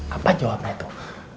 apa jawabannya tuh